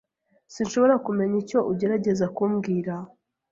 Sinshobora kumenya icyo ugerageza kumbwira.